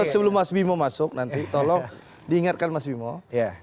sebelum mas bima masuk nanti tolong diingatkan mas bima